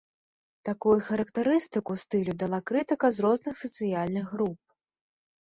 Такую характарыстыку стылю дала крытыка з розных сацыяльных груп.